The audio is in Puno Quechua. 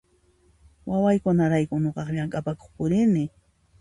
Wawaykunaraykun nuqaqa llamk'apakuq purini